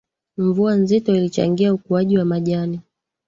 mvua nzito ilichangia ukuaji wa majani